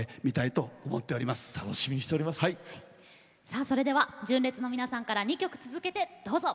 さあそれでは純烈の皆さんから２曲続けてどうぞ。